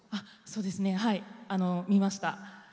そうですね、見ました。